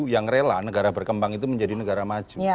yang rela negara berkembang itu menjadi negara maju